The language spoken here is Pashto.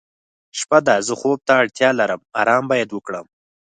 شپه ده زه خوب ته اړتیا لرم آرام باید وکړم.